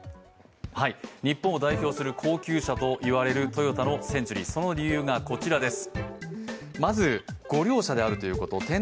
日本を代表する高級車といわれるトヨタのセンチュリーその理由が、こちらです。